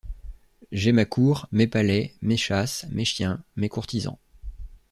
J’ai ma cour, mes palais, mes chasses, mes chiens, mes courtisans.